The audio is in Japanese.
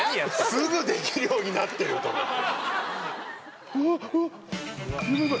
すぐできるようになってると思って。